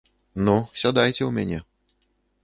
Ну, сядайце ў мяне.